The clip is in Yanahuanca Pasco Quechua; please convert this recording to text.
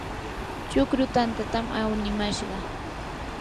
chukru tantatam awnimashqa.